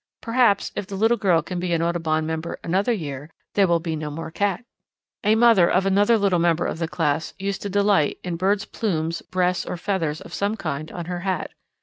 Perhaps, if the little girl can be an Audubon member another year, there will be no more cat! "A mother of another little member of the class used to delight in birds' plumes, breasts, or feathers of some kind on her hat.